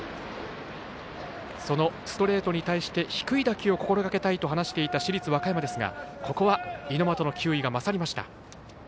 ストレートに対して低い打球を心がけたいと話していた市立和歌山ですがここは、猪俣の球威が勝りました。